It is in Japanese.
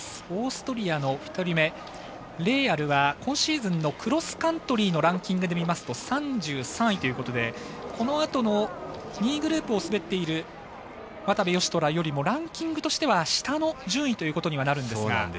オーストリアの１人目レーアルは今シーズンのクロスカントリーのランキングで見ますと３３位ということでこのあとの２位グループを滑っている渡部善斗らよりもランキングとしては下の順位ということになります。